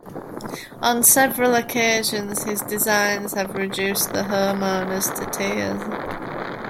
On several occasions, his designs have reduced the homeowners to tears.